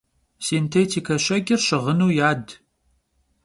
Sintêtike şeç'ır şığınu yad.